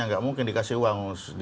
nggak mungkin dikasih uang